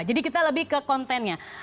jadi kita lebih ke kontennya